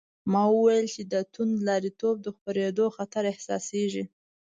ما وویل چې د توندلاریتوب د خپرېدو خطر احساسېږي.